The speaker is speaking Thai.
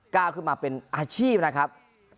ก้าวขึ้นมาเป็นอาชีพนะครับ